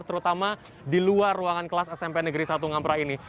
terutama di luar ruangan kelas smp negeri satu ngampera ini